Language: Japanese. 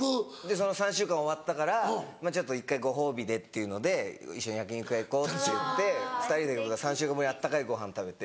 その３週間終わったから一回ご褒美でっていうので一緒に焼き肉屋行こうっていって２人で３週間ぶりに温かいご飯食べて。